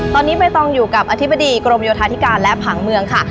ตอนนี้ใบตองอยู่กับอธิบดีกรมโยธาธิการและผังเมืองค่ะ